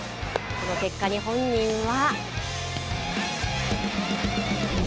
この結果に本人は。